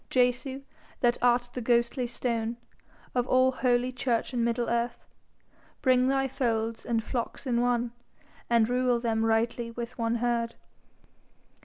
Jesu, that art the ghostly stone Of all holy church in middle earth, Bring thy folds and flocks in one, And rule them rightly with one herd.